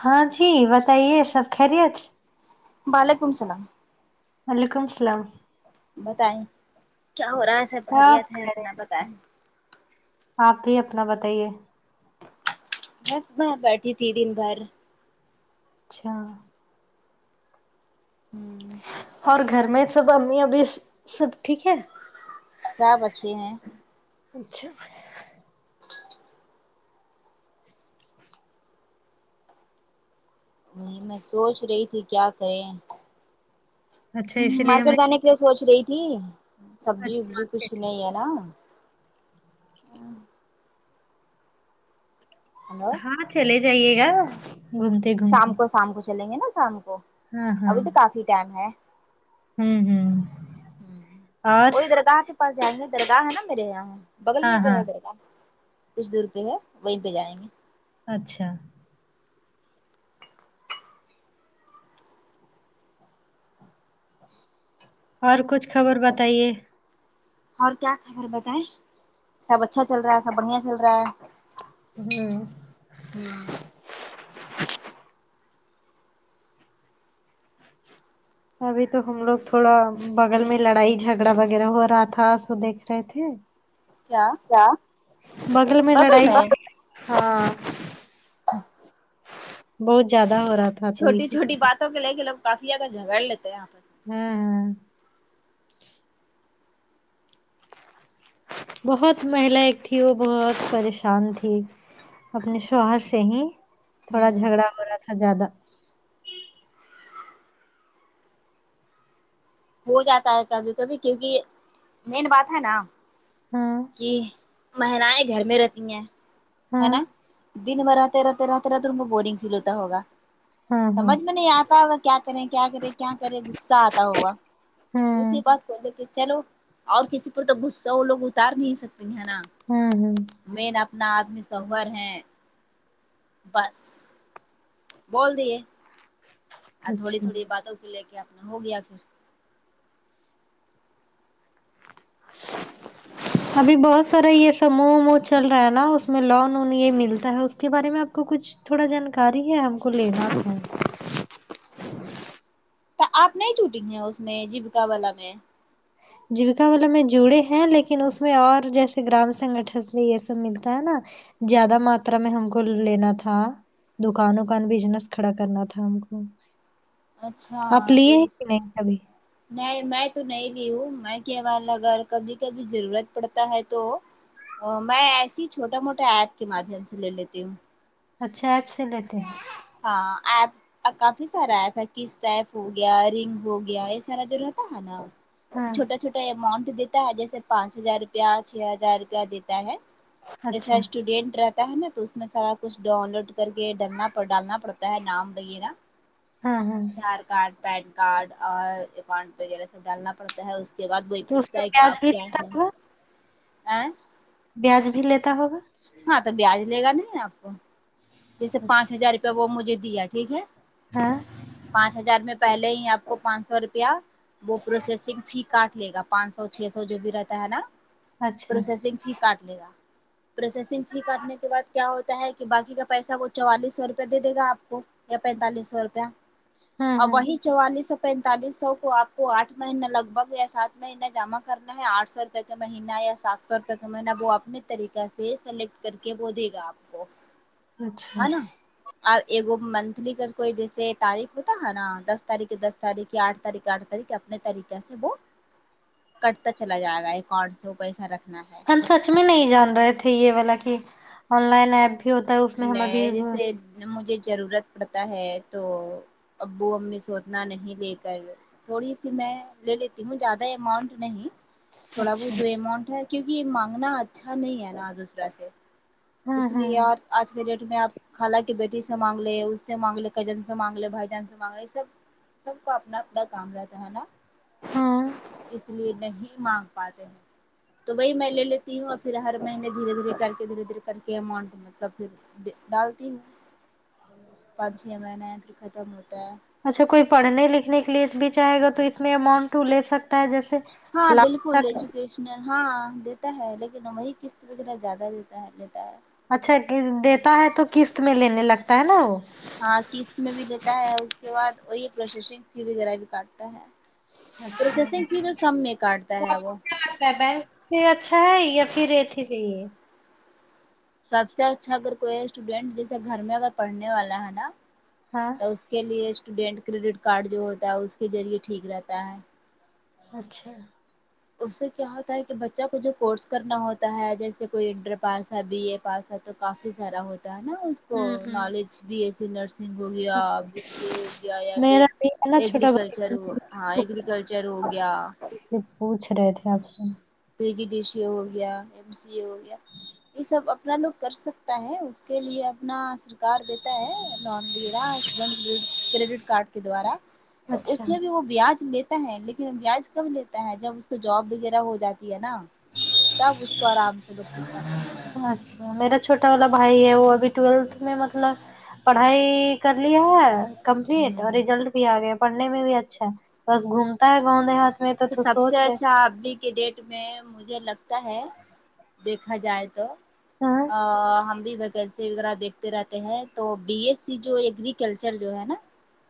ہاں جی بتائیے سب خریت وعلیکم سلام وعلیکم سلام بتایے کیا ہو رہا ہے سب خیریت ہے اپنا خیریٹ ہے بتائیں آپ بھی اپنا بتائیے بس میں بیٹھی تھی دن بھر اچھا ہوں اور گھر میں سب امی ابھی سب ٹھیک ہے سب اچھے ہیں اچھا نہیں میں سوچ رہی تھی کیا کریں اچھا اسی لیے ہمیں مارکٹ جانے کے سوچ رہی تھی سبجی اچھی وبجی کچھ مارکیٹ، نہیں ہے نا ہلو ہاں چلے جائیے گا گوم شام کو شام کو چلیں گے نا شام کو ہاں ہاں ابھی تو کافی ٹائم ہے ہوں ہوں ہوں اور وہی درگاہ کے پاس جائیں گے درگاہ ہے نا میرے یہاں بغل ہاں میں تو ہاں ہے درگاہ کچھ دور پہ ہے وہیں پہ جائیں گے اچھا اور کچھ خبر بتائیے اور کیا خبر بتائے سب اچھا چل رہا ہے سب بڑھیا چل رہا ہے ہوں ہوں ابھی تو ہم لوگ تھوڑا بغل میں لڑائی جھگڑا وغیرہ ہو رہا تھا سب دیکھ رہے تھے کیا بغل میں لڑائی ہاں اچھ [inaudible] بہت زیادہ ہو رہا تھا تو چھوٹی اسی چھوٹی لیے باتوں کو لے کے لوگ کافی زیادہ جھگڑ لیتے ہیں اپ ہوں ہوں بہت مہیلا ایک تھی وہ بہت پریشان تھی اپنے شوہر سے ہی میں تھوڑا ہوں جھگڑا ہو رہا تھا زیادہ ہو جاتا ہے کبھی کبھی کیونکہ مین بات ہے نا ہاں کہ مہلائیں گھر میں رہتی ہیں ہے ہاں نا دن میں رہتے رہتے رہتے رہتے ان کو بورنگ فیل ہوتا ہوگا ہاں ہاں سمجھ میں نہیں آتا ہوگا کیا کریں کیا کریں کیا کرے غصہ آتا ہوگا ہوں اسی بات کو لے کے چلو اور کسی پر توغصہ وہ لوگ اتار نہیں سکتی نا ہوں ہوں مین اپنا آدمی سور ہیں بس بول دیے اب تھوڑی اچھا تھوڑی باتوں کو لے کے اپنا ہو گیا پھر [inaudible] ابھی بہت سارا یہ سموہ وموہ چل رہا ہے نا اس میں لون وون یہ ملتا ہے اس کے بارے میں آپ کو کچھ تھوڑا جانکاری ہے ہم کو لینا تو ہے آپ نہیں ٹوٹیں گے اس میں جیبکا والا میں جیوکا والے میں جوڑے ہیں لیکن اس میں اور جیسے گرام سنگٹن سے یہ سب ملتا ہے نا زیادہ ماترا میں ہم کو لینا تھا دکانوں کا بزنس کھڑا کرنا تھا ان کو آپ اچھا تو لیے ہیں کہ نہیں کبھی نہیں میں تو نہیں لی ہوں میں کےوال اگر کبھی کبھی ضرورت پڑتا ہے تو میں ایسی چھوٹا موٹا ایپ کے مادھیم سے لے لیتی ہوں اچھا ایپ سے لیتے ہیں ہاں ایپ کافی سارا آپ ہے کس ٹاپ ہو گیا رنگ ہو گیا ایسا رہتا ہے نا ہاں چھوٹا چھوٹا اماؤنٹ دیتا ہے جیسے پانچ ہزار روپیہ چھ ہزار روپیہ دیتا ہے جسا اچھا اسٹوڈینٹ رہتا ہے نا تو اس میں سارا کچھ ڈاؤن لوڈ کر کے ڈلنا پر ڈالنا پڑتا ہے نام وغیرہ ہاں ہاں آدھار کارڈ پین کارڈ اور اکاؤنٹ وغیرہ سب ڈالنا پڑتا اس کے بعد وہی تو اس پوچھتا میں ہے کہ بیاج بھی آپ کیا لیتا ہے ہوگا ا بیاج بھی لیتا ہوگا ہاں تو بیاج لے گا نہیں آپ کو جیسے پانچ اچھا ہزار روپیہ وہ مجھے دیا ٹھیک ہے ہاں پانچ ہزار میں پہلے ہی آپ کو پانچ سو روپیہ وہ پروسیسنگ فی کاٹ لے گا پانچ سو چھ سو جو بھی رہتا ہے نا اچھا پروسیسنگ فی کاٹ لے گا پروسیسنگ فی کاٹنے کے بعد کیا ہوتا ہے کہ باقی کا پیسا وہ چوالیس سو روپیہ دے دے گا آپ کو یا پینتالیس سو روپیہ ہاں اور ہاں وہی چوالیس سو پینتالیس سو کو آپ کو آھ مہینہ لگ بھگ یا سات مہینہ جمع کرنا ہے آٹھ سو روپے روپہ کا مہینہ یا سات سو روپئے کا مہینہ وہ اپنے طریقہ سے سلیکٹ کر کے وہ دے گا آپ کو اچھا ہے نا اور منتھلی گر کوئی جیسے تاریخ ہوتا ہے نا دس تاریخ کے دس تاریخ آٹھ تاریخ کے آٹھ تاریخ میں طریقہ سے وہ کٹتا چلا جائے گا اکاؤنٹ سے وہ پیسا رکھنا ہے ہم سچ میں نہیں جان رہے تھے یہ والا کہ آن لائن ایپ بھی ہوتا ہے اس میں ہم ابھی نہیں جیسے مجھے ضرورت پڑتا ہے تو ابو امی سوتنا نہیں لے کر تھوڑی سی میں لے لیتی ہوں زیادہ اماؤنٹ نہیں تھوڑا اچھا بہت جو اماؤنٹ ہے کیونکہ یہ مانگنا اچھا نہیں ہے نا دوسرا سے ہاں اس لیے ہاں اور آج کے ڈیٹ میں آپ خالہ کی بیٹی سے مانگ لے اس سے مانگ لے کجن سے مانگ لے بھائی جان سے مانگ لے یہ سب سب کو اپنا اپنا کام رہتا ہے نا ہاں اس لیے نہیں مانگ پاتے ہیں تو بھائی میں لے لیتی ہوں اور پھر ہر مہینے دھیرے دھیرے کر کے دھیرے دھیے کر کے اماؤنٹ مطلب پھر ڈالتی ہوں پانچ چھ مہینے ہے پھر ختم ہوتا ہے اچھا کوئی پڑھنے لکھنے کے لیے بھی چاہے گا تو اس میں اماؤنٹ لے سکتا ہے جیسے ہاں لگ بالکل تک ایجوکیشنل ہاں دیتا ہے لیکن ہمی قسط وغیرہ زیادہ دیتا ہے لیتا ہے اچھا دیتا ہے تو قسط میں لینے لگتا ہے نا وہ ہاں قسط میں بھی لیتا ہے اس کے بعد اور یہ پروسیسنگ فی وغیرہ بھی کاٹتا ہے پروسیسنگ فی تو سم میں کاٹتا ہے وہ کہ بے پھر اچھا ہے یا پھر اتھی صحیح ہے سب سے اچھا اگر کوئی اسٹوڈینٹ جیسے گھر میں اگر پڑھنے والا ہے نا ہاں تو اس کے لیے اسٹوڈینٹ کریڈٹ کارڈ جو ہوتا ہے اس کے ذریعے ٹھیک رہتا ہے اچھا اس سے کیا ہوتا ہے کہ بچہ کو جو کورس کرنا ہوتا ہے جیسے کوئی انٹر پاس ہے بی اے پاس ہے تو کافی سارا ہوتا ہے نا اس کو ہوں ہوں نالج بھی پھر نرسنگ ہو گیا بی سی اے ہو گیا یا پھر میرا بھی ہے نا چھوٹا ایگررییکلچر ہاں بھائی ایگررییکلچر ہو گیا کچھ پوچھ رہے تھے آپ سے پی ٹی ڈی سی ہو گیا ایم سی ہو گیا یہ سب اپنا لوگ کر سکتا ہے اس کے لیے اپنا کار دیتا ہے نان لے رہا اسٹوڈینٹ کریڈٹ کارڈ کے دوارا تو اچھا اس میں بھی وہ بیاج لیتا ہے لیکن بیاج کب لیتا ہے جب تو جاب وغیرہ ہو جاتی ہے نا تب اس کو آرام سے لوگ چکتا کرتے اچھا میرا چھوٹا والا بھائی ہے وہ ابھی ٹویلتھ میں مطلب پڑھائی کر لیا ہے کمپلیٹ اور ہوں، ریزلٹ بھی آ گیا پڑھنے میں بھی اچھا ہے بس گھومتا ہے گاؤں دیہات میں تو سب سے سوچ رہے اچھا ابھی کی ڈیٹ میں مجھے لگتا ہے دیکھا جائے تو ہاں آ ہم بھی ویکینسی وغیرہ دیکھتے رہتے ہیں تو بی ایس سی جو ایک کلچر جو ہے نا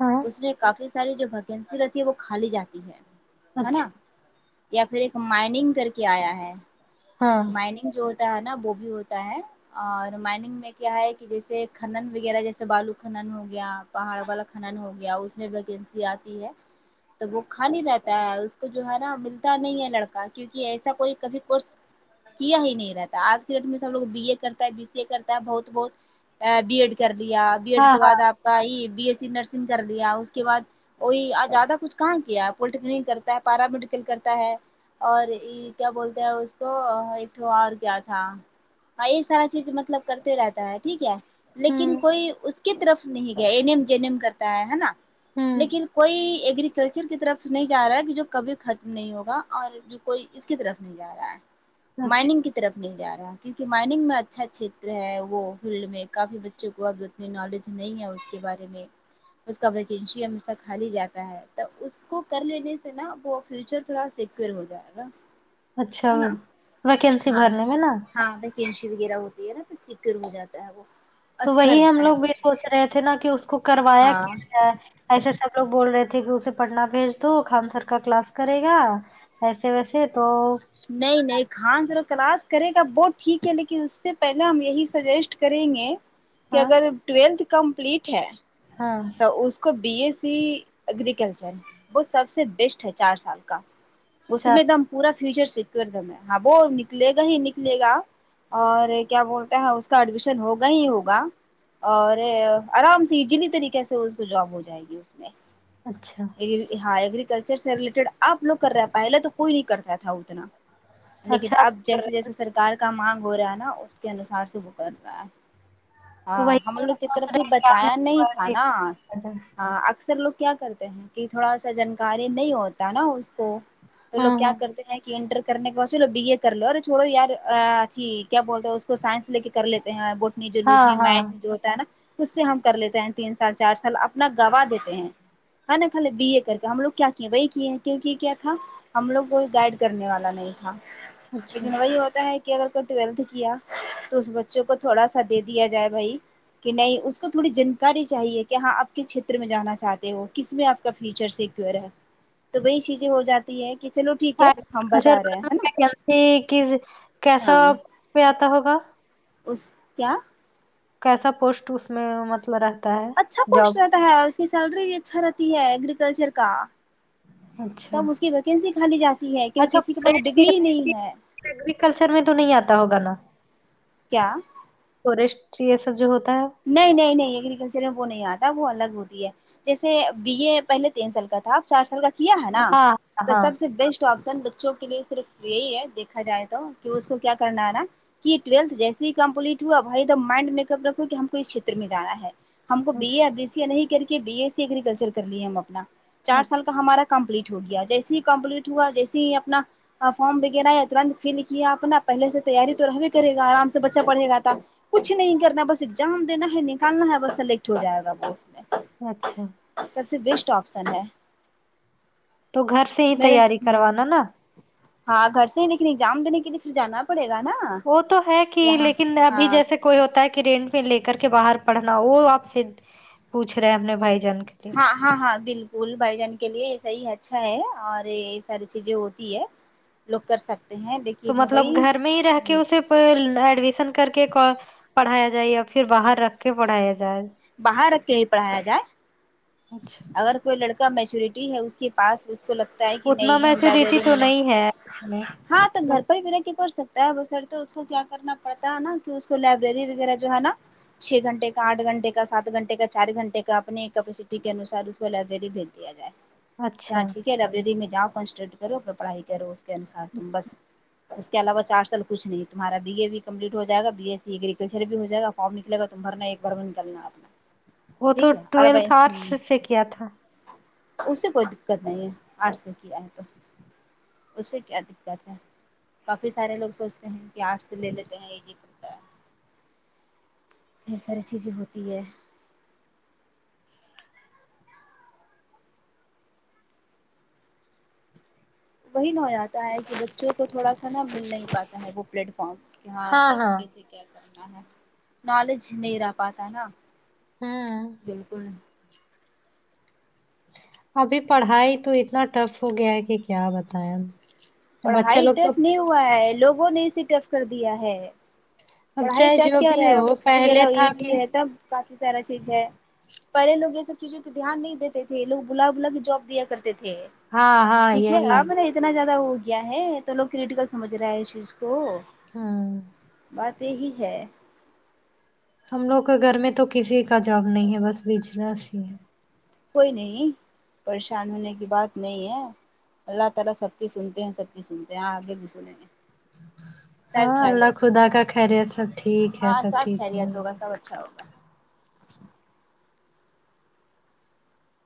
ہاں اس میں کافی ساری جو ویکنسی رہتی ہے وہ کھالی جاتی ہے ہے اچھا نا یا پھر ایک مائننگ کر کے آیا ہے ہاں مائننگ جو ہوتا ہے نا وہ بھی ہوتا ہے اور مائننگ میں کیا ہے کہ جیسے کھنن وغیرہ جیسے بالو کھنن ہو گیا پہاڑ والا کھنن ہو گیا اس میں ویکینسی آتی ہے تو وہ کھالی رہتا ہے اس کو جو ہے نا ملتا نہیں ہے لڑکا کیونکہ ایسا کوئی کبھی کورس کیا ہی نہیں رہتا آج کے ڈیٹ میں سب لوگ بی اے کرتا ہے بی سی اے کرتا ہے بہت بہت بی ایڈ کر لیا بی ایڈ ہاں کے بعد ہاں آپ کا یہ بی ایس سی نرسنگ کر لیا اس کے بعد وہی زیادہ کچھ کہاں کیا پلیٹیکنک کرتا ہے پیرا میڈیکل کرتا ہے اور ای کیا بولتے ہیں اس کو میں تو آج کیا تھا ہاں یہ سارا چیز مطلب کرتے رہتا ہے ٹھیک ہے ہوں لیکن کوئی اس کی طرف نہیں گیا این ایم جینم کرتا ہے ہے نا ہوں لیکن کوئی ایگری کلچر کی طرف نہیں جا رہا ہے کہ جو کبھی ختم نہیں ہوگا اور جو کوئی اس کی طرف نہیں جا رہا ہے اچھا مائنگ کی طرف نہیںل جا رہا ہے کیونکہ مائنگ میں اچھا چھیتر ہے وہ فیلڈ میں کافی ڈ بچوں کو آج اتنی نالج نہیں ہے اس کے بارے میں اس کا ویکینش ہمیشہ کالی جاتا ہے تو اس کو کر لینے سے نا وہ فیوچر تھوڑا سیکیور ہو جائے گا اچھا ہے ہاں ہاں وکینشی وغیرہ ہوتی ہے نا تو سیکور ہو جاتا ہے وہ تو اچھا وہی ہم رہتا ہے لوگ بھی وہ سوچ چیز رہے تھے نا کہ اس کو کروایا ہاں کیا جائے ایسے سب لوگ بول رہے تھے کہ اسے پڑھنا بھیج دو خان سر کا کلاس کرے گا ایسے ویسے تو نہیں نہیں کھان سر کلاس کرے گا وہ ٹھیک ہے لیکن اس سے پہلے ہم یہی سجیسٹ کریں گے کہ ہاں اگر ٹویلتھ کمپلیٹ ہے ہاں اس کو بی اے سی ایگریکلچر وہ سب سے بیسٹ ہے چار سال کا اس چار میں دم پورا فیوچر سیکور کرنا ہاں بو نکلے گا ہی نکلے گا اور کیا بولتا ہے اس کا ایڈمیشن ہوگا ہی ہوگا اور آرام سے ایجلی طریقے سے اس کو جاب ہو جائے گی اس میں اچھا اے ہاں ایگریکلچر سے ریلیٹڈ آپ لوگ کر رہے پہلے تو کوئی نہیں کرتا تھا اتنا لیکن اچھا آپ اب کر رہے جیسے ہیں جیسے سرکار کا مانگ ہو رہا ہے نا اس کے انوسار سے وہ کر رہا ہے تو وہی ہاں ہم لوگ کی سوچ طرف سے رہے ہیں کہ ہم بتایا لوگ نہیں کو تھا بھی نا کیا جائے۔ ہاں اکثر لوگ کیا کرتے ہیں کہ تھوڑا سا جنکاری نہیں ہوتا نا اس کو تو لوگ ہاں کیا ہاں کرتے ہیں انٹر کرنے کے بعد چلو بی اے کر لو اورے چوڑو یار اچھی کیا بولتے ہیں اس کو سائنس لے کے کر لیتے ہیں نی جو لجی ہاں ہاں میک جو ہوتا ہے نا اس سے ہم کر لیتے ہیں تین تا سال چار سال اپنا گوا دیتے ہیں میں نے کھالی بی اے کر کے ہم لوگ کیا کی وہی کیے ہیں کیونکہ کیا تھا ہم لوگ کوئی گائڈ کرنے والا نہیں تھا اچھا لیکن وہی ہوتا ہے کہ اگر کوئی ٹویلتھ کیا تو اس بچوں کو تھوڑا سا دے دیا جائے بھائی کہ نہیں اس کو تھوڑی جن کاری چاہیے کہ ہاں آپ کس چھیتر میں جانا چاہتے ہو کس میں آپ کا فیوچر سیکور ہے تو وہی چیزیں ہو جات تی ہے کہ چلو ٹھیک ہے ہر ہم بتا جرکن رہے ہیں [unintelligible] ہے نا سے پیاسے کی کیسا ہاں پہ آتا ہوگا اس کیا کیسا پوسٹ اس میں مطلب رہتا ہے اچھا جاب پوسٹ رہتا ہے اس کی سیلری بھی اچھا رہتی ہے ایگررییکلچر کا اچھا تب اس کی ویکینسی کھالی جاتی ہے کیوں اچھا کسی کے پاس فورسٹ ڈگری نہیں یہ ہے ایگریکلچر میں تو نہیں آتا ہوگا نا کیا فوریسٹ ٹری یہ سب جو ہوتا ہے نہیں نہیں نہیں ایگریکلچر میں وہ نہیں آتا وہ الگ ہوتی ہے جیسے بی اے پہلے تین سال کا تھا ا چار سال کا کیا ہے نا ہاں تو ہاں سب سے بیسٹ تو افسر بچوں کے لیے صرف یہی ہے دیکھا جائے تو کہ اس کو کیا کرنا آنا کہ ٹویلتھ جیسے ہی کمپلیٹ ہوا بھائی دا مائنڈ میک اپ رکھو کہ ہم اس چیھتر میں جانا ہے ہم کو بی اے ا اچھا بی س نہیں کر کے بی ای سی ایگریکلچر کر لیے ہم اپنا چار سال کا اچھا ہمارا کمپلیٹ ہو گیا جیسے ہی کمپلیٹ ہوا جیسے ہی اپنا فارم وغیرہ ہے تورنت فل کیا اپنا پہلے سے تیاری تو رہوے کرے گا آرام سے بچہ پڑھے گا تھا کچھ نہیں کرنا بس اگزام دینا ہے نکالنا ہے بس سلکٹ ہو جائے گا پوسٹ اچھا سب سے بیسٹ آپشن ہے تو گھر سے ہی میرے تیاری ہوں کروانا نا ہاں گھر سے ہی لیکن ایگزام دینے کے لیے پھر جانا پڑے گا نا وہ تو ہے کہ یہاں لیکن ابھی ہاں جیسے کوئی ہوتا ہے کہ رینٹ میں لے کر کے باہر پڑھنا وہ آپ سے پوچھ رہے ہیں ہم نے بھائی جان کے لیے ہاں ہاں ہاں بل کل بھائی جان کے لیے یہ صحیح اچھا ہے اور یہ ساری چیزیں ہوتی ہے لوگ کر سکتے ہیں دیکھ تو مطلب گھر میں ہی رہ کے اسے پر ایڈمیشن کر کے پڑھایا جائے یا پھر باہر رکھ کے پڑھایا جائے باہر رکھ کے بھی پڑھایا جائے اچھا اگر کوئی لڑکا میچورٹی ہے اس کے پاس اس کو لگ تا ہے کہ اتنا نہیں ہم لگے میچورٹی روم تو میں نہیں ہے اس میں۔ ہاں تو گھر پر ہی بھی رہ کے پڑ سکتا ہے وہ بشرطیکہ اس کو کیا کرنا پڑتا ہے نا کہ اس کو لائبریری وغیرہ جو ہے نا چھ گھنٹے کا آٹھ گھنٹے کا سات گھنٹے کا چار گھنٹے کا اپنے کے انوسار اس کو لائبریری بھیج دیا جائے اچھا کا چی کے لائبریری میں جاؤ کنسٹٹ کرو اپنا پڑھائی کرو اس کے انسار تم بس اس کے علاوہ چار سال کچھ نہیں تمہارا بی اے بھی کمپلیٹ ہو جائے بی ای سی ایگریکلچر بھی ہو جائے گا فارم نکلے گا تم بھرنا ایک بار میں نکلنا ہے اپنا وہ تو ٹھیک اور بھائی ٹویلتھ آرٹس سے کیا تھا اس سے کوئی دقت نہیں ہے آرٹ سے کیا ہے تو اس سے کیا دقت ہے کافی سارے لوگ سوچتے ہیں کہ آرٹ سے لے لیتے ہیں جی یہ ساری چیزیں ہوتی ہے وہی نہ ہو جاتا ہے کہ بچوں کو تھوڑا سا نا مل نہیں پاتا ہے وہ پلیٹ فارم ہاں کیسے کیسے کیا کرنا ہے نالج نہیں رہ پاتا نا ہوں بالکل ابھی پڑھائی تو اتنا ٹف ہو گیا ہے کہ کیا بتائیں ہم پڑھائی ٹف نہیں ہوا ہے لوگوں نے اسے ٹف کر دیا ہے اب پڑھائی چاہے ٹف جو کیا بھی رہے گا ہو بکس وغیرہ پہلے یہ تھا کہ بھی ہے تب کافی سارا چیز ہے پہلے لوگ یہ سب چیزوں پہ دھیان نہیں دیتے تھے لوگ بلا بلا کے جاب دیا کرتے تھے ہاں ہاں ٹھیک ہے یہی اب اتنا زیادہ ہو گیا ہے تو لوگ کرٹیکل سمجھ رہے ہے اس چیز کو ہوں بات یہی ہے ہم لوگ کے گھر میں تو کسی کا جاب نہیں ہے بس بجنس ہی ہے کوئی نہیں پریشان ہونے کی بات نہیں ہے اللہ تعالی سب کی سنتے ہیں سب کی سنتے ہیں آگے بھی سنیں گے ہ [inaudible] سب ہاں اللہ خیریت ہوگا خدا کا خیریت سب ٹھیک ہے ہاں سب ٹھیک ہی ہ خیریت ہوگا سب اچھا ہوگا